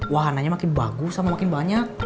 wahananya makin bagus sama makin banyak